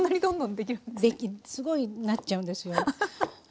できるすごいなっちゃうんですよ。